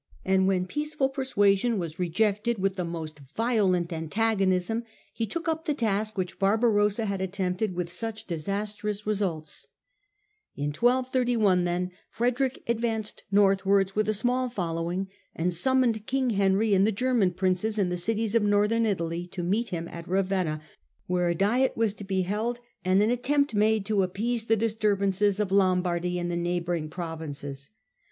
And when peaceful persuasion was rejected with the most violent antagonism, he took up the task which Barbarossa had attempted with such disastrous results. In 1231, then, Frederick advanced northwards with a small following and summoned King Henry and the German Princes, and the cities of Northern Italy, to meet him at Ravenna, where a Diet was to be held and THE REBELLIOUS SON 131 an attempt made to appease the disturbances of Lom bardy and the neighbouring provinces.